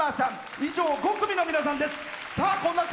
以上５組の皆さんです。